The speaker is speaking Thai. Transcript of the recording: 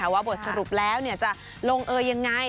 ต่อเนื่องนะคะว่าบทสรุปแล้วจะลงเออยังไง